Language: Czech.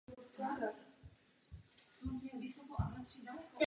Rokokové vnitřní zařízení ze druhé poloviny osmnáctého století bylo zničeno.